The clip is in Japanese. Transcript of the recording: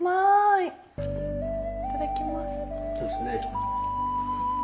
いただきます。